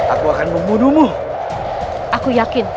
aku akan membunuhmu